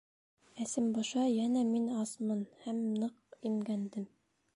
— Әсем боша, йәнә мин асмын һәм ныҡ имгәндем.